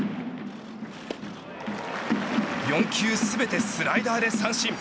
４球全てスライダーで三振。